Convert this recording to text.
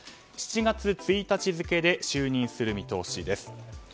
７月１日付で就任する見通しです。